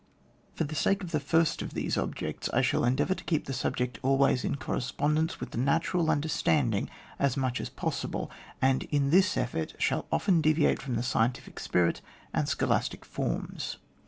For the sake of the first of these ob jects, I shall endeavour to keep the sub ject always in correspondence with the natural understanding as much as pos sible, and in this effort shall often deviate from the scientific spirit and scholastic forms.